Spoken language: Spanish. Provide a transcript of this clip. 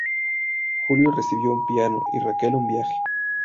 Julio recibió un piano y Raquel un viaje.